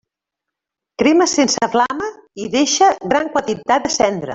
Crema sense flama i deixa gran quantitat de cendra.